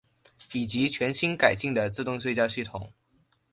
以及全新改进的自动对焦系统。